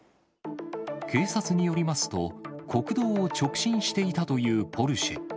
警察によりますと、国道を直進していたというポルシェ。